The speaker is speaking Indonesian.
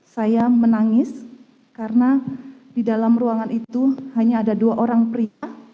saya menangis karena di dalam ruangan itu hanya ada dua orang pria